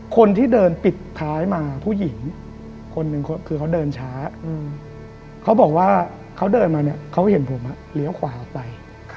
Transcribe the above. คนที่เดินปิดท้ายมาผู้หญิงคนหนึ่งคือเขาเดินช้าเขาบอกว่าเขาเดินมาเนี่ยเขาเห็นผมเลี้ยวขวาออกไป